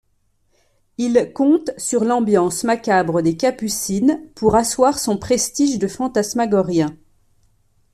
Il compte sur l’ambiance macabre des Capucines pour asseoir son prestige de fantasmagorien.